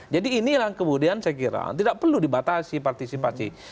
jadi inilah kemudian saya kira tidak perlu dibatasi partisipasi